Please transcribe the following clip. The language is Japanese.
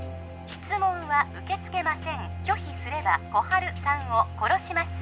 質問は受け付けません拒否すれば心春さんを殺します